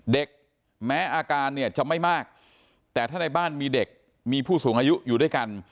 เด็กแม้อาการเนี่ยจะไม่มากแต่ถ้าในบ้านมีเด็กมีผู้สูงอายุอยู่ด้วยกัน